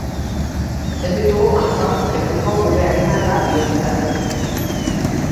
Ez ditugu malkoak kenduko gure arima eta bihotzetatik.